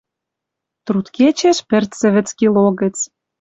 Трудкечеш пӹрцӹ вӹц кило гӹц